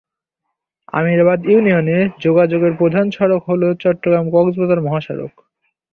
আমিরাবাদ ইউনিয়নে যোগাযোগের প্রধান সড়ক হল চট্টগ্রাম-কক্সবাজার মহাসড়ক।